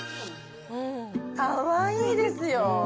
かわいいですよ。